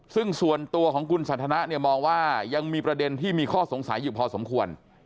ซึ่งส่วนตัวของคุณสันทนะเนี่ยมองว่ายังมีประเด็นที่มีข้อสงสัยอยู่พอสมควร